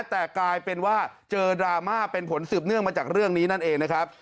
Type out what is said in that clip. แต่กลายเป็นว่าเจอดราม่าเป็นผลสืบเนื่องมาจากเรื่องนี้นั่นเองนะครับ